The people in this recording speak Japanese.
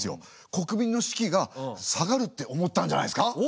国民の士気が下がるって思ったんじゃないですか？